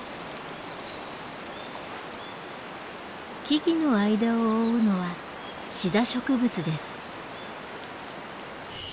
木々の間を覆うのはシダ植物です。